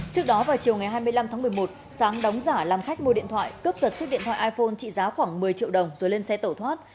trước đó vào chiều ngày hai mươi năm tháng một mươi một sáng đóng giả làm khách mua điện thoại cướp giật chiếc điện thoại iphone trị giá khoảng một mươi triệu đồng rồi lên xe tẩu thoát